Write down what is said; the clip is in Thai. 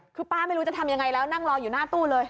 คือป้าไม่รู้จะทำยังไงแล้วนั่งรออยู่หน้าตู้เลย